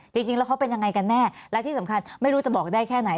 จริงแล้วเขาเป็นยังไงกันแน่และที่สำคัญไม่รู้จะบอกได้แค่ไหน